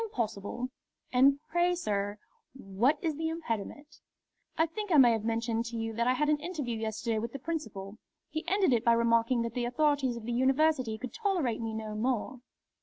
"Impossible!" "And pray, sir, what is the impediment?" "I think I may have mentioned to you that I had an interview yesterday with the Principal. He ended it by remarking that the authorities of the University could tolerate me no more."